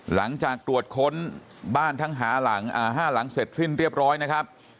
หลังจากตรวจค้นบ้านทั้ง๕หลังเสร็จสิ้นเรียบร้อยนะครับ